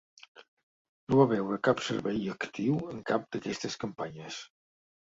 No va veure cap servei actiu en cap d'aquestes campanyes.